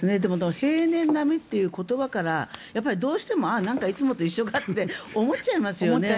平年並みという言葉からどうしても、いつもと一緒かと思っちゃいますよね。